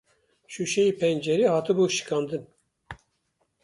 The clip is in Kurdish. Şûşeyê pencerê hatibû şikandin